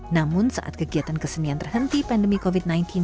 namun saat kegiatan kesenian terhenti pandemi covid sembilan belas